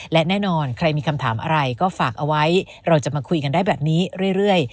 และแน่นอนใครมีคำถามอะไรก็ฝากเอาไว้เราจะมาคุยกันได้แบบนี้เรื่อย